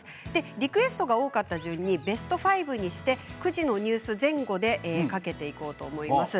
リクエストが多かった順にベスト５にして９時のニュース前後でかけていこうと思います。